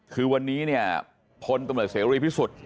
คือวันนี้เนี่ยพลตำรวจเสรีพิสุทธิ์